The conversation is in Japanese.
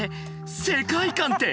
世界観って！？